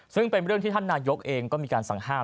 ซึ่งเป็นเรื่องที่ท่านนายกเองก็มีการสั่งห้าม